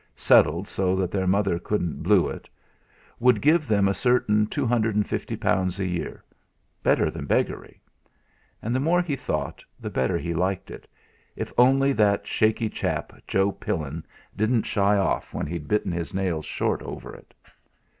settled so that their mother couldn't "blue it," would give them a certain two hundred and fifty pounds a year better than beggary. And the more he thought the better he liked it, if only that shaky chap, Joe Pillin, didn't shy off when he'd bitten his nails short over it!